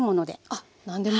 あっ何でも。